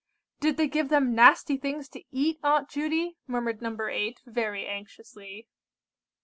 "Did they give them nasty things to eat, Aunt Judy?" murmured No. 8, very anxiously.